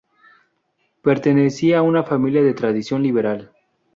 Pertenecía a una familia de tradición liberal.